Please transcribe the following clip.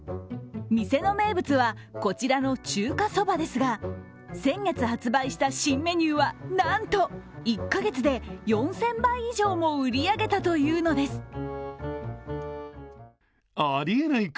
店の名物は、こちらの中華そばですが、先月発売した新メニューはなんと１カ月で４０００杯以上も売り上げたというのです。